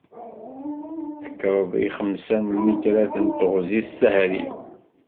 Tekkreḍ i xemsa n lmitrat s teɣzi s tehri.